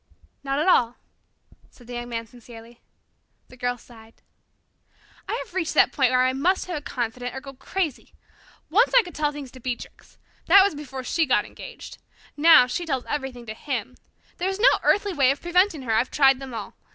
"Not at all," said the Young Man sincerely. The Girl sighed. "I have reached that point where I must have a confidant, or go crazy. Once I could tell things to Beatrix. That was before she got engaged. Now she tells everything to him. There is no earthly way of preventing her. I've tried them all.